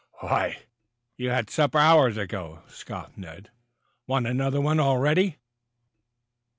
"Why, you had supper hours ago," scoffed Ned. "Want another one already?"